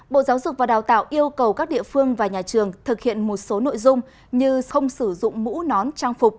bộ giáo dục và đào tạo yêu cầu các địa phương và nhà trường thực hiện một số nội dung như không sử dụng mũ nón trang phục